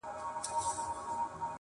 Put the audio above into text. • نجلۍ ګلسوم له درد سره مخ,